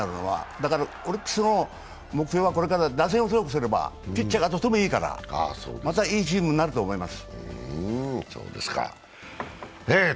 だからオリックスの目標は、これから打線を強くすればピッチャーがとてもいいから、またいいチームになると思います。